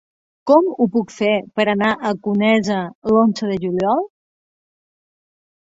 Com ho puc fer per anar a Conesa l'onze de juliol?